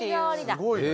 すごいね。